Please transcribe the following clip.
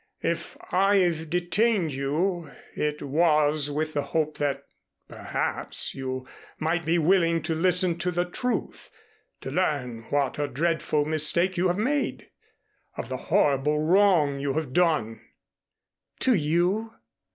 If I've detained you, it was with the hope that perhaps you might be willing to listen to the truth, to learn what a dreadful mistake you have made, of the horrible wrong you have done " "To you?"